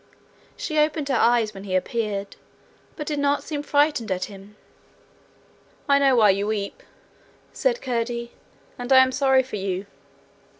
She opened her eyes when he appeared, but did not seem frightened at him. 'I know why you weep,' said Curdie, 'and I am sorry for you.'